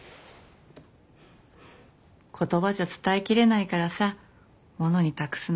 言葉じゃ伝えきれないからさ物に託すの。